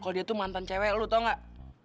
kalau dia tuh mantan cewek lu tau gak